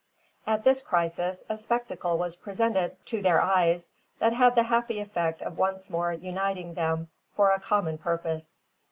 At this crisis, a spectacle was presented to their eyes that had the happy effect of once more uniting them for a common purpose.